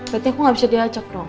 berarti aku gak bisa diajak dong